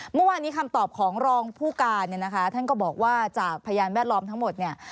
เมื่อวานนี้คำตอบของรองผู้การเนี่ยนะคะท่านก็บอกว่าจากพยานแวดล้อมทั้งหมดเนี่ย